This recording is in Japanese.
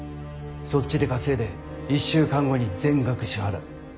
そっちで稼いで１週間後に全額支払う。